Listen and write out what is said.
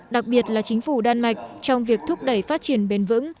đặc biệt là chính phủ đan mạch trong việc thúc đẩy phát triển bền vững